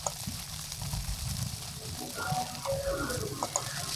Muchos han sido los teólogos que cuestionaron en su momento la historicidad de Cristo.